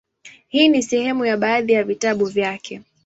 Hii ni sehemu ya baadhi ya vitabu vyake;